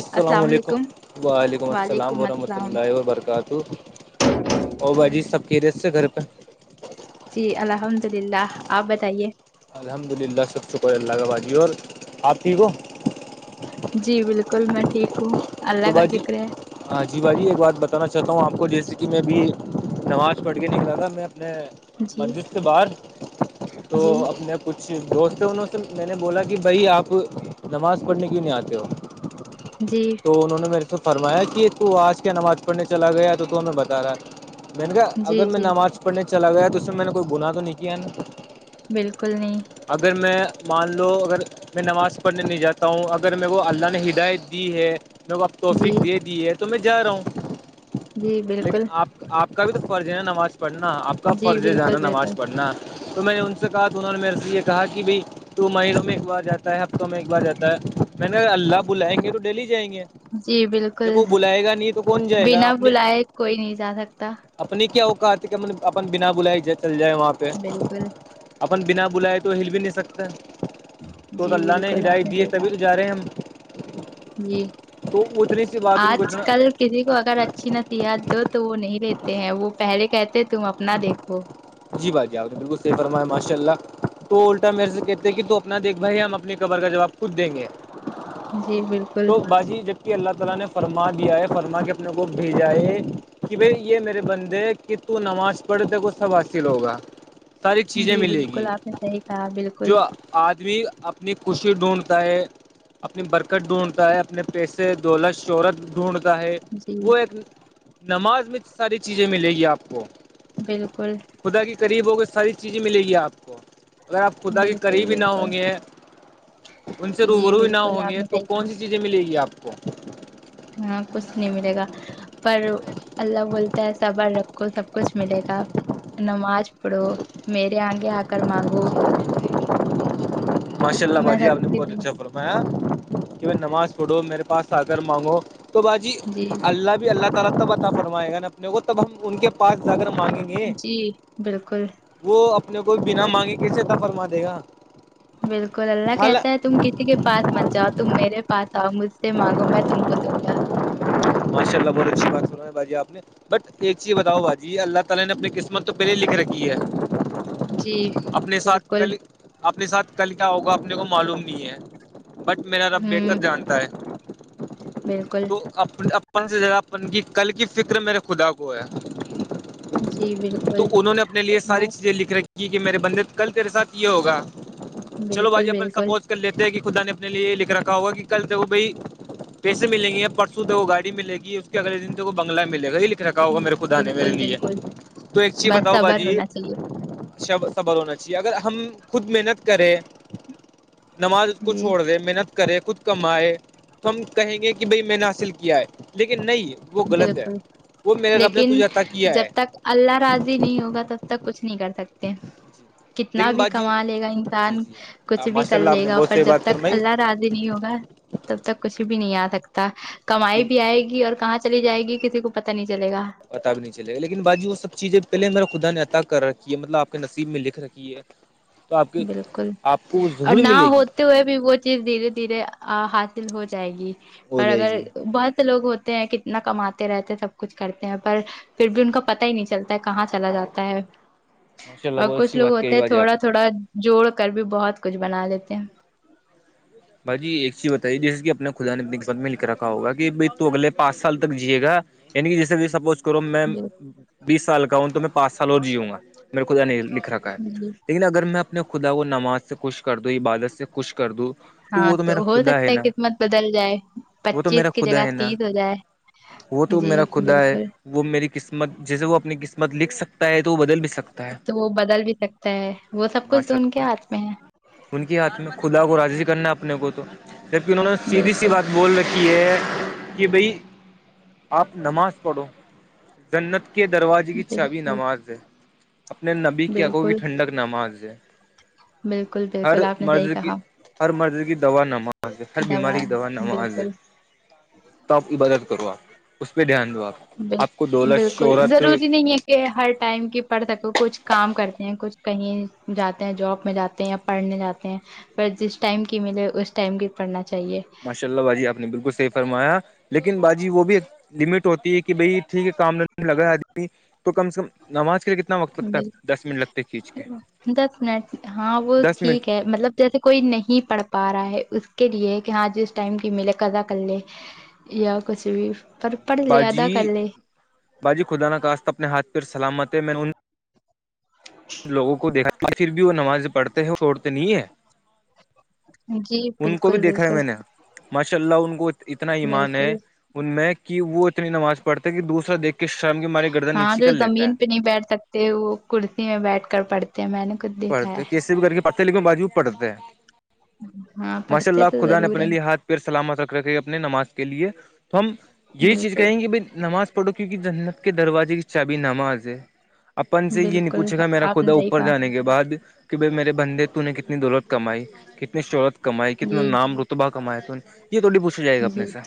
السلام علیکم وعلیکم السلام وعلیکم السلام ورحمۃاللہ وبرکاتہ تو اور باجی سب خیریت سے گھر پہ جی الحمد اللہ آپ بتائیے الحمد اللہ سب شکر اللہ کا باجی اور آپ ٹھیک ہو جی بالکل میں ٹھیک ہوں تو اللہ کا باجی شکر ہے ہاں جی باجی ایک بات بتانا چاہتا ہوں آپ کو جیسے کہ میں ابھی نماز پڑھ کے نکلا تھا میں اپنے جی مسجد کے باہر تو جی اپنے آپ کچھ دوست ہیں انہوں سے میں نے بولا کہ بھائی آپ نماز پڑھنے کیوں نہیں آتے ہو جی تو انہوں نے میرے سے فرمایا کہ تو آج کیا نماز پڑھنے چلا گیا تو ہمیں بتا رہا ہے میں نے کہ جی اگر میں جی نماز پڑھنے چلا گیا تو اسمیں میں نے کوئی گناہ تو نہیں کیا ہے نا بالکل نہیں اگر میں مان لو اگر میں نماز پڑھنے نہیں جاتا ہوں اگر میں وہ اللہ نے ہدایت دی ہے مکو آپ جی توفق دے دی ہے تو میں جا رہا ہوں جی بالکل لیکن آپ آپ کا بھی تو فرض ہے نا نماز پڑھنا آپ کا جی فرض ہے بالکل جانا نماز بالکل پڑھنا تو میں نے ان سے کہا تو انہوں نے میرے سے یہ کہا کہ بھائی تو مہینوں میں ایک بار جاتا ہے ہفتوں میں ایک بار جاتا ہے میں نے اللہ بلائیں گے تو ڈیلی جائیں گے جی بالکل جب وہ بلائے گا نہیں تو کون جائے گا بنا اپنے بلائے کوئی نہیں جا سکتا اپنی کیا اوقات کہ مطلب اپن بنا بلائی چل جائے وہاں پہ بالکل اپن بنا بلائے تو ہل بھی نہیں سکتا تو جی اللہ نے بالکل آپ ہدایت دی ہے دیکھا تبھی تو جا رہے ہیں جی ہم تو اتنی سی بات ان کو آج کل کسی کو اگر اچھی نصیحت دو تو وہ نہیں لیتے ہیں وہ پہلے کہتے تم اپنا دیکھو جی باجی آپ نے بالکل صحیح فرمائےمایا ماشاء اللہ تو الٹا میرے سے کہتے ہیں کہ تو اپنا دیکھ بھائی ہم اپنی قبر کا جواب خود دیں گے جی بالکل تو باجی کہ اللہ تعالی نے فرما دیا ہے فرما کے اپنے کو بھیجا ہے کہ بھائی یہ میرے بندے کہ تو نماز پڑھ تکو سب حاصل ہوگا ساری چیزیں جی ملیں گی بالکل آپ نے صحیح کہا بالکل جو آدمی اپنی خوشی ڈھونڈتا ہے اپنی برکت ڈھونڈتا ہے اپنے پیسے دولت شہرت ڈھونڈتا ہے جی وہ ایک نماز میں ساری چیزیں ملیں گی آپ کو بالکل خدا کے قریب ہو گے ساری چیزیں ملیں گی آپ کو اگر آپ خدا کے بالکل قریبی نہ بالکل ہوں گے ان سے جی روبرو ہی نہ بالکل ہوں آپ گے نے تو صحیح کون سی کہا چیزیں ملیں گی آپ کو ہاں کچھ نہیں ملے گا پر اللہ بولتا ہے صبر رکھو سب کچھ ملے گا نماز پڑھو میرے آگے آ کر مانگو ماشاء اللہ میں باجی سب آپ نے کی بہت اچھا دعا- فرمایا کہ نماز پڑھو میرے پاس آ کر مانگو تو باجی جی اللہ بھی اللہ تعالی تب عطا فرمائگا نا اپنے کو تب ہم ان کے پاس جاکر مانگیں گے جی بالکل وہ اپنے کو بنا مانگے کیسے عطا فرما دے گا بالکل اللہ حال کہتا ہے تم کی سی کے پاس مت جاؤ تم میرے پاس آؤ مجھ سے مانگو میں تم کو دوں گا ماشا اللہ بہت اچھی بات سنے باجی آپ نے بٹ ایک چی بتاؤ بھاجی اللہ تعالی نے اپنی قسمت تو پہلے ہی لکھ رکھی ہے جی اپنے ساتھ بالکل کل اپنے ساتھ کل کیا ہوگا اپنے کو معلوم نئے ہے بٹ میرا رب ہوں بہتر جانتا ہے بالکل اپپن اپن سے زیادہ اپن کی کل کی فکر میرے خدا کو ہے جی بالکل تو انہوں نے اپنے لیے وہ ساری چیزیں لکھ رکھ کی کہ میرے بندے کل تیرے ساتھ یہ ہوگا چلو بالکل باجی اپن بالکل سپوز لیتے ہیں کہ خدا نے اپنے لیے یہ لکھ رکھا ہوگا کہ کل دو بھائی پیسے ملیں گے یا پرسوں دیکھ گاڑی [unintelligible] ملے گی اس کےگے دن تو کو بنگلا میں ملے گای لیکے رکھا ہوگا میرے خدا نے بالکل میرے لیے بالکل تو ایک چی بس بتاؤ صبر باجی ہونا چاہیے شب صبر ہونا چاہیے اگر ہم خود محنت کریں نماز کو جی چھوڑ دے محنت کرے خود کمائے تو ہم کہیں گے کہ بھئی میں نے حاصل کیا ہے لیکن نہیں وہ غلط ہے بالکل وہ میرے رب نے لیکن تجھے عطا کیا جب ہے تک اللہ راضی نہیں ہوگا تب تک کچھ نہیں کر سکتے کتنا لیکن بھی باجی کما لے گا جی انسان جی کچھ بھی ماشاء کر اللہ آپ لے نے گا بہت پر صحیح جب بات تک فرمائی اللہ راضی نہیں ہوگا تب تک کچھ بھی نہیں آ سکتا کمائی لیکن بھی آئے گی اور کہاں چلی جائے گی کسی کو پتاہ نہیں چلےگا پتا بھی نہیں چلے گا لیکن باجی وہ سب چیزیں پہلے میرے خدا نے عطا کر رکھی ہے مطلب آپ نصیب میں لکھ رکھی ہے تو آپ کی بالکل آپ کو وہ اور ضرور نہ ملے گی ہوتے ہوئے بھی وہ چیز دھیرے دھیرے حاصل ہو جائے گی ہو پر جائے اگر گی بہت لوگ ہوتے ہیں کتنا کماتے رہتے ہیں سب کچھ کرتے ہیں پر پھر بھی ان کا پتا ہی نہیں چلتا کہاں چلا جاتا ہے ماشاء اللہ اور بہت کچھ اچھی لوگ بات کہی ہوتے ہیں باجی آپ تھوڑا نے تھوڑا جوڑ کر بھی بہت کچھ بنا لیتے ہیں باجی ایک چیز بتائیے جیسے کہ اپنا خدا نے اپنے قسمت میں لکھ رکھا ہوگا کہ بھئی تو اگلے پانچ سال تک جیے گا یعنی کے جیسے سپوز کرو میںم بالکل بیس سال کا ہوں تو میں پانچ سال اور جیؤوں گا میرے خدا نے لکھ رکھا ہے جی لیکن اگر میں اپنے خدا کو نماز سے خوش کر دوں عبادت سے خوش کر دوں ہاں وہ تو میرا ہو خدا سکتا ہے نا قسمت بدل جائے وہ تو میرا پچیس کی خدا جگہ ہے نا تیس ہو جائے وہ تو جی میرا خدا ہے بالکل وہ میری قسمت جیسے وہ اپنی قسمت لکھ سکتا ہے تو وہ بدل بھی سکت تو وہ بدل بھی سکتا ہے وہ سب کچھ ماشاء تو ان کے ہاتھ میں ہے ان کے ہاتھ میں خدا کو راضی کرنا اپنے کو تو جبکہ انہوں نے سیدھی سی بالکل بات بول رہ کھی ہے کہ بھائی آپ نماز پڑھو جنت کے دروازے کی چابی بالکل نماز ہے اپنے نبی کی اکھوں کی بالکل ٹھنڈک نماز ہے بالکل ہر بالکل آپ نے صحیح مرض کی کہا ہر مرض کی دوا نماز ہے ہر بیماری کی دوا نماز ہے بالکل تو آپ کی عبادت کرو آپ اس پہ دھیان دو آپ بال آپ کو دولت بالکل شہرت ضروری نہیں ہے یہ ہر ٹائم کی پڑھ سکوں کچھ کام کرتے ہیں کچھ کہیں جاتے ہیں جوب میں جاتے ہیں یا پڑھنے جاتے ہیں پر جس ٹائم کی ملے اس ٹائم کی پڑھنا چاہیے ماشا اللہ باجی آپ نے بالکل صحی فرایا لیکن باجی وہ بھی ایک علمی ہوتی ہے کہ بھائی ٹھیک ہے کامنے لگا آدمی تو کم سے کم نماز تو [unintelligible] ب دس منٹ ہاں وہ دس منٹ ٹھیک ہے مطلب جیسے کوئی نہیں پڑھ پا رہا ہے اس کے لیے کہ ہاں جس ٹائم کی ملے کزا کل لے یا کچھ بھی پر پڑھ لے ادا باجی کر لے باجی خدا نہ خاستہ اپنے ہاتھ پیر سلامت ہے میں نے ان لوگوں کو دیکھا اور پھر بھی وہ نمازیں پڑھتے ہیں وہ چھڑتے نہیں ہیں جی ان کو بھی بالکل دیکھا ہے بالکل میں نے ماشاء اللہ ان کو اتنا ایمان ہے بالکل ان میں کہ وہ اتنی نماز پڑھتا ہے کہ دوسرا دیکھ کے شرم کے مارے گردن ہاں نیچی جو کر لیتا زمین پہ ہے نہیں بیٹھ سکتے وہ کرسی میں بیٹھ کر پڑھتے ہیں میں نے خود دیکھا پڑتے ہے کیسے بھی کر کے پڑتے لیکن باجی پڑھتے ہیں ہاں ماشاء اللہ پڑھتے تو خدا نے ضرور اپنے ہیں لیے ہاتھ پیر سلامت رکھ رکھے اپنے نماز کے لیے تو ہم یہی چیز بالکل کہیں گے بھی نماز پڑھو کیونکہ جنت کے دروازے کی چابی نماز ہے اپن سے یہ نہیں بالکل پوچھے گا میرا آپ نے خدا صحیح اوپر کہا جانے کے بعد کہ بھائی میرے بندے تو نے کتنی دولت کمائی کتنی شہرت کمائی کتنا جی نام رط بہ کمایا تو نے یہ تھوڑی پو چھا جائے گا جی اپنے سے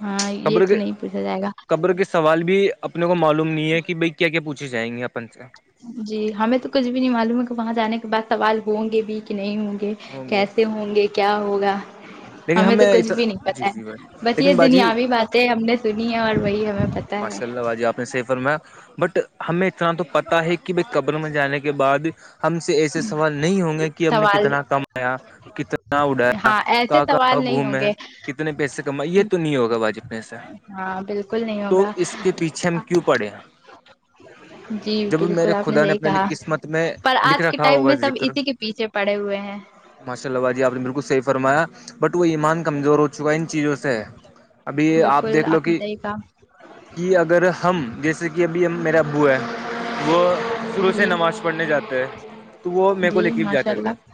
ہاں یہ قبر تو کے نہیں پوچھا جائے گا قبر کے سوال بھی اپنے کو معلوم نہیں ہے کہ بھائی کیا کیا پوچھے جائیں گے اپن سے جی ہمیں تو کچھ بھی نہیں معلوم ہے کہ وہاں جانے کے بعد سوال ہوں گے بھی کہ نہیں ہوں گے ہوں گے کیسے ہوں گے کیا ہوگا ہمیں تو کچھ بھی نہیں جی پتا جی بھائی ہے بس یہ لیکن باجی دنیاوی باتیں ہم نے سنی ہے اور وہی ہمیں پتا ہے ماشاء اللہ باجی آپ نے صحیح فرمایا بٹ ہمیں اتنا تو پتا ہے کہ بائی قبر میں جانے کے بعد ہم سے ایسے سوال نہیں ہوں گے کہ ہم نے سوال کتنا کمایا کتنا اڑایا ہاں ایسے کہاں سوال کہاں نہیں ہوں گھومے گے کتنے پیسے کمائے یہ تو نہیں ہوگا باجی اپنےسے ہاں بالکل نہیں تو ہوگا اس کے پیچھے ہم کیوں پڑے ھے جی جب میرے بالکل آپ خدا نے صحیح اپنے کہا قسمت میں پر لکھ آج کے راکھا ٹائم میں سب اسی کے پیچھے پڑے ہوئے ہیں ماشاء اللہ باجی آپ نے بالکل صحیح فرمایا بٹ وہ ایمان کمزور ہو چکا ان چیزوں سے ابھی یہ آپ بالکل دیکھ لو نے کہ صحیح کہا کہ اگر ہم جیسے کہ ابھی میرا ابو ہے وہ شروع سے جی نماز پڑھنے جاتے ہیں تو وہ میرے کو لے جی کے ماشاء جاتے تھے اللہ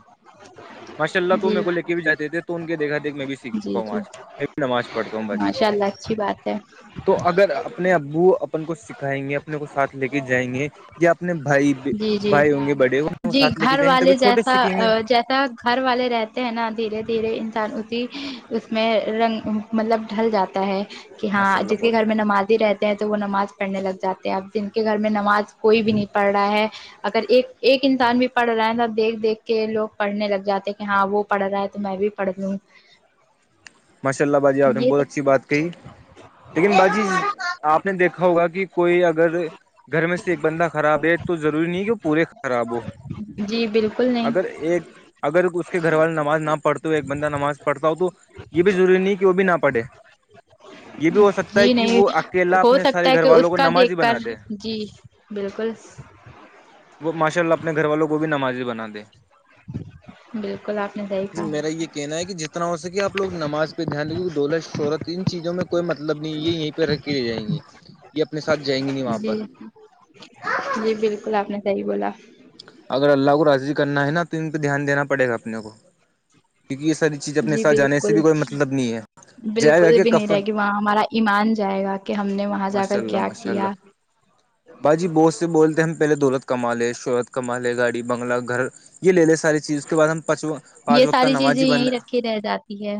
ماشاء اللہ تو جی میرے کو لے کے بھی جاتے تھے تو ان کے دیکھا دیکھ میں بھی سیکھ چکا جی ہوں جی آج میں بھی نماز پڑھتا ہوں باجی ماشاء اللہ اچھی بات ہے تو اگر اپنے ابو اپن کو سکھائیں گے اپنے کو ساتھ لے کے جائیں گے یا اپنے بھائی جی جی بھائی ہوں گے بڑے وہ جی ساتھ لے کے گھر جائیں گے والے تبھی چھوٹے جیسا سیکھیں گے جیس ا گھر والے رہتے ہیں نا دھیرے دھیرے انسان اسی اس میں رنگ مطلب ڈھل جاتا ہے کہ ہاں ماشاء اللہ جس کے بہت گھر میں نمازی رہتی تو وہ نماز پڑھنے لگ جاتے ہیں اب جن کے گھر میں نماز کوئی بھی نہیں پڑھ رہا ہے اگر ایک ایک انسان بھی پڑھ رہا ہے نہ دیکھ دیکھ کے لوگ پڑھنے لگ جاتے ہیں کہ ہاں وہ پڑھ رہا ہے تو میں بھی پڑھنے ماشاء اللہ باجی آپ نے بہت اچھی سب بات کہی لیکن باجی آپ نے دیکھا ہوگا کہ کوئی اگر گھر میں سے ایک بندہ خراب ہے تو ضروری نہیں کہ پورے خراب ہو جی بالکل نہیں اگر ایک اگر اس کے گھر والے نماز نہ پڑھتے ایک بندہ نماز پڑھتا ہو تو یے بھی ضروری نہیں کی وہ بھی نہ پڑھے یے بھی ہو سکتا ہے جی کی نہیں وہ اکیلا ہو اپنے سکتا سارے ہے گھر کہ والوں اس کو کا نمازی دیکھ کر بنا دے جی بالکل وہ ماشاء اللہ اپنے گھر والوں کو بھی نمازی بنا دے بالکل آپ نے صحیح جی میرا کہا یہ کہنا ہے کی جتنا ہو سکے آپ لوگ نماز پے دھیان دنگے دولت شہرت ان چیزوں میں کوئی مطلب نہیں یے یہیں پے رکھی رہ جائیں گے یے اپنے ساتھ جائیں گی نہیں وہاں پر جی جی بالکل آپ نے صحیح بولا اگر اللہ کو راضی کرنا ہے نا تو ان پے دھیان دینا پڑے گا اپنے کو کیونکی یے ساری چیز اپنے جی ساتھ جانے سے بالکل بھی کوئی مطلب نہیں ہے جائے جا بالکل کے بھی نہیں کفن رہے گی وہاں ہمارا ایمان جائے گا کہ ہم نے وہاں جا ماشاء کر اللہ کیا ماشاء اللہ کیا باجی بہت سے بولتے ہیں ہم پہلے دولت کما لے شہرت کما لے گاڑی بنگلہ گھر یے لے لے سک ساری چیز اس کے بعد ہم پانچوا پانج یہ وقت ساری چیزیں نمازی بن یہیں رکھی رہ جاتی ہے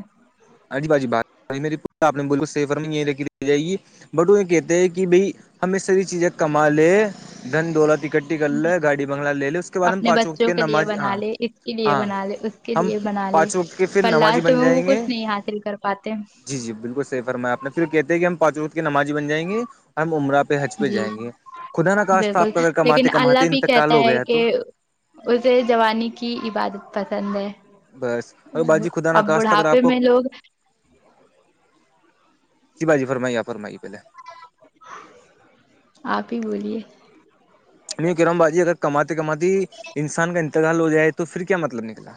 ہاں جی باجی [unintelligible] بٹو یے کہتے ہیں کی بھائی ہم یے ساری چیزیں کما لے دھن دولت ایک کٹا کل لے گاڑی بنگلہ لے لے اس کے بعد ہم اپنے پانچوں وقت بچوں کی کے لیے نماز بنا ہاں لے اس کے لیے ہاں بنا لے اس کے ہم لیے بنا لے پانچ وقت کے پھر پر نمازی لاسٹ بن میں وہ جائیں گے کچھ نہیں حاصل کر پاتے جی جی بالکل صحیح فرمایا آپ نے پھر کہتے ہیں کی ہم پانچ و قت کی نمازی بن جائیں گے اور ہم عمرہ پے ہج پے جی جائیں گے خدا نا خستہ بالکل آپ اگر کماتے لیکن اللہ کماتے بھی انتقال کہتا ہے ہوگیا کہ تو اسے جوانی کی عبادت پسند ہے بس اگر باجی خدا نا اب کااست اگر آپ بڑھاپے کو میں لوگ جی باجی فرمائیے آپ فرمائیے پہلے آپ ہی بولیے میں کہہ رہا ہوں باجی اگر کماتے کماتے ہی انسان کا انتقال ہو جائے تو پھر کیا مطلب نکلا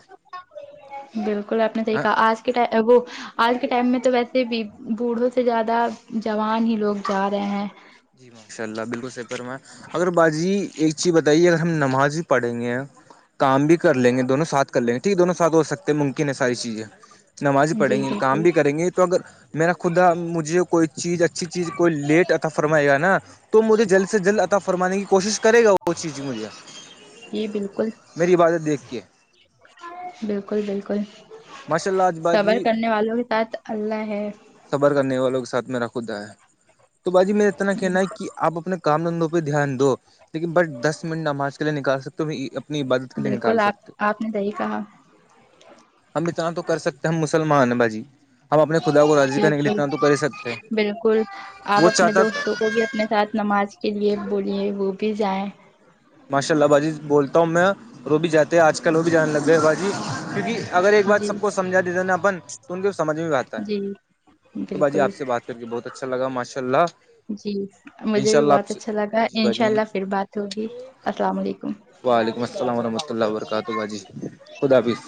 بالکل آپ نے ہاں دیکھا آج کے ٹا وہ آج کے ٹائم میں تو ویسے بھی بوڑھوں سے زیادہ جوان ہی لوگ جا رہے ہیں جی ماشاء اللہ بالکل صحیح فرمایا اگر باجی ایک چیز بتائیے اگر ہم نماز ہی پڑھیں گے کام بھی کر لیں گے دونوں ساتھ کر لیں گے ٹھیک ہے دونوں ساتھ ہو سکتے ہیں ممکن ہے ساری چیزیں نماز ھی پڑیں جی گے کام بالکل بھی کریں گے تو اگر میرا خدا مجھے کوئی چیز اچھی چیز کوئی لیٹ اتا فرمائے گا نا تو مجھے جلد سے جلد اتا فرمانے کی کوشش کرے گا وہ چیز مجھے جی بالکل میری عبادت دیکھ کے بالکل بالکل ماشاء اللہ آج صبر باجی کرنے والوں کے ساتھ اللہ ہے صبر کرنے والوں کے ساتھ میرا خودا ہے تو باجی میں اتنا کہنا ہے بالکل کی آپ اپنے کام دھندوں پے دھیان دو لیکن بٹ دس منٹ نماز کے لیے نکال سکتے ہو اپنی عبادت کے لیے بالکل نکال سکتے ہو آپ آپ نے صحیح کہا ہم اتنا تو کر سکتے ہیں ہم مسلمان ہیں باجی ہم اپنے خدا کو راضی کرنے کے لیے بالکل اتنا تو کرہی سکتے ہیں وہ چاہتا ستوک ہوگیا اپنے ساتھ نماز کے لیے بولیے وہ بھی جائیں ماشاء اللہ باجی بولتا ہوں میں وہ بھی جاتے آج کل وہ بھی جانے لگ گئے ہیں باجی کیونکی اگر ایک بات جی سب کو سمجھا دیتے نا اپن تو ان کے سمجھ میں بھی آتا جی ہے تو باجی بالکل آپ سے بات کر کے بہت اچھا لگا ماشاءللہ جی مجھے بھی بہت اچھا لگا جی ان شاء باجی اللہ پھر بات ہوگی السلام علیکم وعلیکم السلام ورحمۃ اللہ وبرکاتہ باجی خدا حافظ